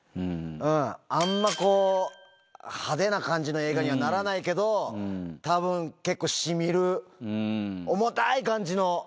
あんまこう、派手な感じの映画にはならないけど、たぶん、結構しみる、重たい感じの。